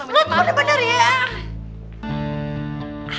lo udah bener ya